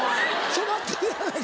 染まってるやないか。